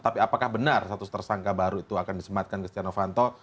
tapi apakah benar satu tersangka baru itu akan disematkan ke stiano vanto